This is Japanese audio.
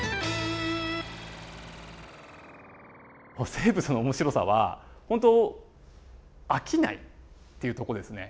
生物の面白さは本当飽きないっていうとこですね。